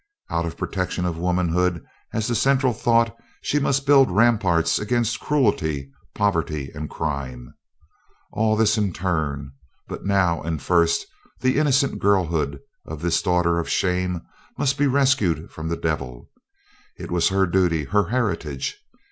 Out of protection of womanhood as the central thought, she must build ramparts against cruelty, poverty, and crime. All this in turn but now and first, the innocent girlhood of this daughter of shame must be rescued from the devil. It was her duty, her heritage.